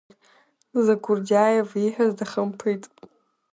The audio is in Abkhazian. Закурдиаев ииҳәаз дахымԥеит.